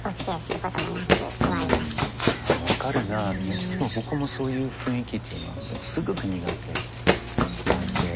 実は僕もそういう雰囲気っていうのはすごく苦手なんで。